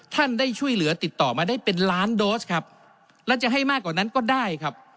ท่านได้ช่วยเหลือติดต่อมาได้เป็นล้านโดสครับแล้วจะให้มากกว่านั้นก็ได้ครับ